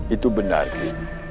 itu benar ki